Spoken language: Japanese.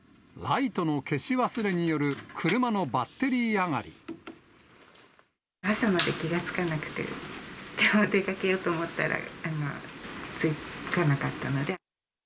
ライトの消し忘れによる車の朝まで気が付かなくて、きょう、出かけようと思ったら、つかなかったので。